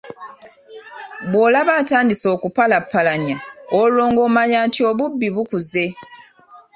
Bw'olaba atandise okupalapalanya, olwo ng'omanya nti obubbi bukuze.